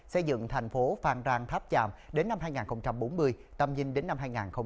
xây dựng thành phố phan rang tháp chạm đến năm hai nghìn bốn mươi tầm nhìn đến năm hai nghìn năm mươi